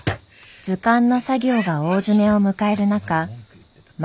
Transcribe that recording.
図鑑の作業が大詰めを迎える中万